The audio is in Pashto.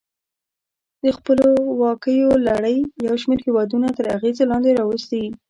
د خپلواکیو لړۍ یو شمیر هېودونه تر اغېز لاندې راوستي.